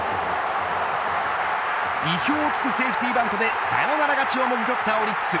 意表を突くセーフティーバントでサヨナラ勝ちをもぎ取ったオリックス。